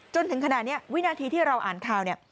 จนถึงขณะนี้วินาทีที่เราอ่านข่าวเนี่ย